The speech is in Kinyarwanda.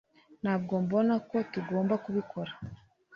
ntabwo mbona ko tugomba kubikora